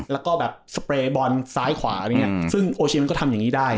แล้วก็แบบบอลซ้ายขวาอะไรอย่างเงี้ยอืมซึ่งโอชิเมนก็ทำอย่างงี้ได้